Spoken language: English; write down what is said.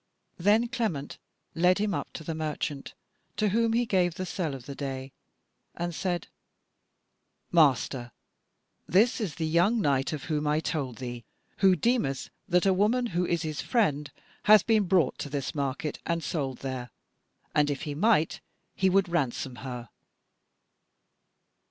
Then Clement led him up to the merchant, to whom he gave the sele of the day, and said: "Master, this is the young knight of whom I told thee, who deemeth that a woman who is his friend hath been brought to this market and sold there, and if he might, he would ransom her."